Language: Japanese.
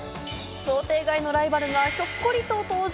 想定外のライバルがひょっこりと登場。